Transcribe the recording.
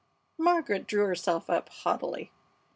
Margaret drew herself up haughtily.